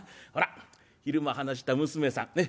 ほら昼間話した娘さん。